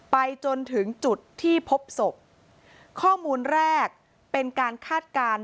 ไปจนถึงจุดที่พบศพข้อมูลแรกเป็นการคาดการณ์